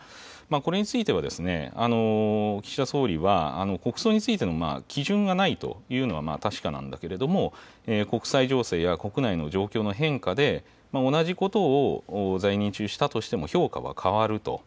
これについては、岸田総理は、国葬についての基準がないというのは、確かなんだけれども、国際情勢や国内の状況の変化で、同じことを在任中したとしても評価は変わると。